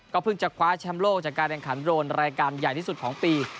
ก็เพิ่งจะคว้าแชมป์โลกจากการแข่งขันโดรน